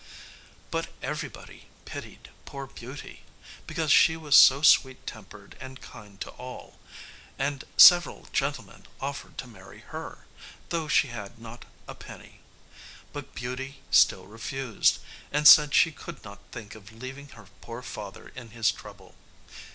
But everybody pitied poor Beauty, because she was so sweet tempered and kind to all, and several gentlemen offered to marry her, though she had not a penny; but Beauty still refused, and said she could not think of leaving her poor father in his trouble.